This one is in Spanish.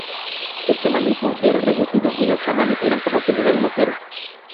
El chamanismo era reducido y los chamanes eran por lo general mujeres.